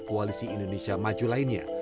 koalisi indonesia maju lainnya